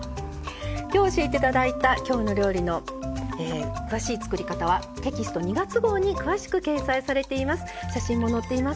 今日、教えていただいた「きょうの料理」の詳しい作り方はテキスト２月号に詳しく掲載されています。